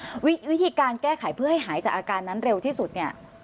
วิธีการแก้ไขเพื่อให้หายจากอาการนั้นเร็วที่สุดเนี่ย